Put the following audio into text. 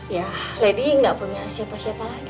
ya lady nggak punya siapa siapa lagi